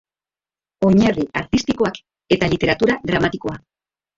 Oinarri Artistikoak eta Literatura Dramatikoa.